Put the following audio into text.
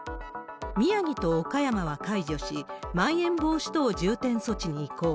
宮城と岡山は解除し、まん延防止等重点措置に移行。